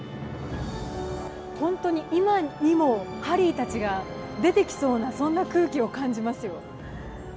本当に今にもハリーたちが出てきそうな、そんな空気を感じますよ。